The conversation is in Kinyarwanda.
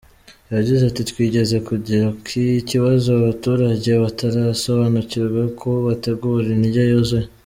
Yagize ati“Twigeze kugira iki kibazo abaturage batarasobanukirwa uko bategura indyo yuzuye.